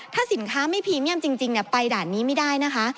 ถ้าสินค้าไม่พรีเมียมจริงไปด่านนี้ไม่ได้นะคะ